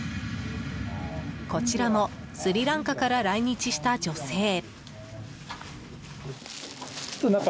こちらもスリランカから来日した女性。